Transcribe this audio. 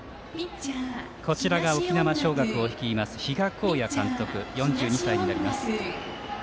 こちらが沖縄尚学を率います比嘉公也監督、４２歳になります。